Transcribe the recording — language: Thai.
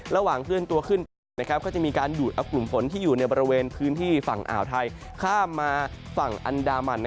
เคลื่อนตัวขึ้นไปก็จะมีการดูดเอากลุ่มฝนที่อยู่ในบริเวณพื้นที่ฝั่งอ่าวไทยข้ามมาฝั่งอันดามัน